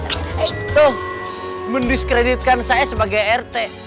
tuh mendiskreditkan saya sebagai rt